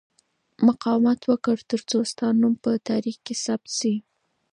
مقاومت وکړه ترڅو ستا نوم په تاریخ کې ثبت شي.